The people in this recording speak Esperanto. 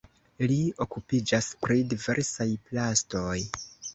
Li okupiĝas pri diversaj plastoj.